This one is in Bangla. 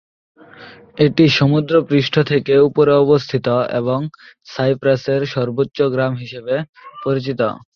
এটি সমুদ্রপৃষ্ঠ থেকে উপরে অবস্থিত এবং সাইপ্রাসের সর্বোচ্চ গ্রাম হিসেবে পরিচিত।